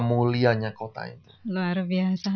mulianya kota itu luar biasa